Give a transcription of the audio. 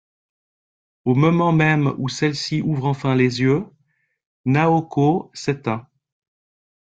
Au moment même où celle-ci ouvre enfin les yeux, Naoko s’éteint.